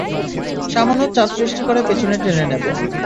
সামান্য চাপ সৃষ্টি করে পেছনে টেনে নেব।